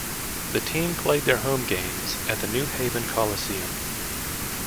The team played their home games at the New Haven Coliseum.